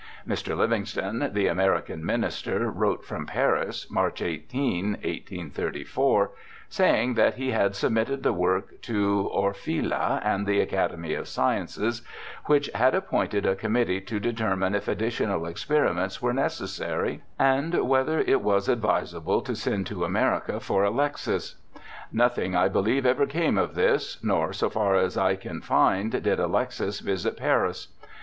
Mr. Livingston, the American minister, wrote from Paris, March 18, 1834, saying that he had sub mitted the work to Orfila and the Academy of Sciences, which had appointed a committee to determine if addi tional experiments were necessary, and whether it was advisable to send to America for Alexis. Nothing, I believe, ever came of this, nor, so far as I can find, did Alexis visit Paris.